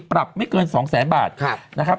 ปรับไม่เกิน๒แสนบาทนะครับ